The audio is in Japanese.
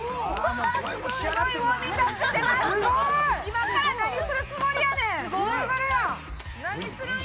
今から何するつもりやねん。